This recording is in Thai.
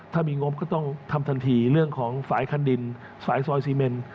ถ้ามีงบก็ต้องทำทันทีเรื่องของสายคันดินสายซอยซีเมน